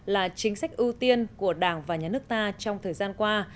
là chính sách ưu tiên của đảng và nhà nước ta trong thời gian qua